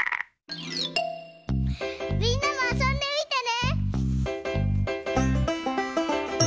みんなもあそんでみてね！